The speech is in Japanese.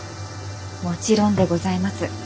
もちろんでございます。